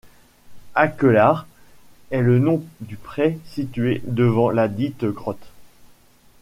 Akelarre est le nom du pré situé devant ladite grotte.